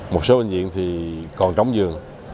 một số bệnh viện còn trống giường